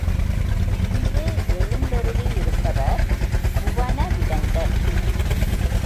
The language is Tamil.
இங்கு எழுந்தருளி இருப்பவர் புவனவிடங்கர்.